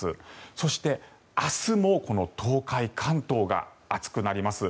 そして、明日もこの東海、関東が暑くなります。